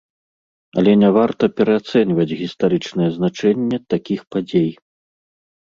Але не варта пераацэньваць гістарычнае значэнне такіх падзей.